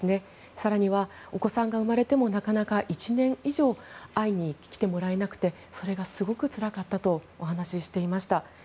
更には、お子さんが生まれてもなかなか１年以上会いに来てもらえなくてそれがすごくつらかったとお話していました。